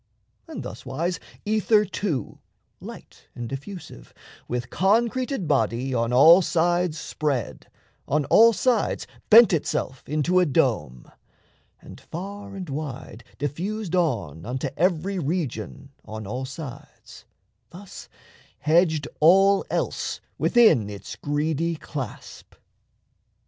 And thuswise ether too, Light and diffusive, with concreted body On all sides spread, on all sides bent itself Into a dome, and, far and wide diffused On unto every region on all sides, Thus hedged all else within its greedy clasp.